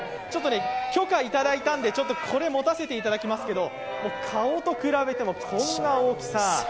許可をいただいたのでこれ、持たせていただいたんですけど顔と比べてもこんな大きさ。